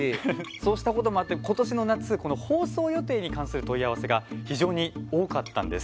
そうしたこともあって今年の夏、この放送予定に関する問い合わせが非常に多かったんです。